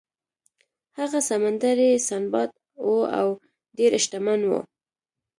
هغه سمندري سنباد و او ډیر شتمن و.